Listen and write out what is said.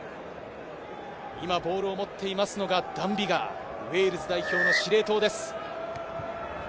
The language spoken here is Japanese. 今ボールを持っていますのがダン・ビガー、ウェールズ代表の司令塔です。